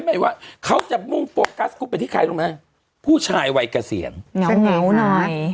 ไม่ว่าเขาจะมุ่งโปรกัสกูไปที่ใครรู้ไหมผู้ชายวัยเกษียณสะเนียวหน่อย